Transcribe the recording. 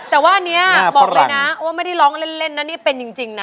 แต่ว่าอันนี้บอกเลยนะว่าไม่ได้ร้องเล่นนะนี่เป็นจริงนะ